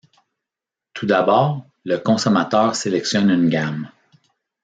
Tout d'abord, le consommateur sélectionne une gamme.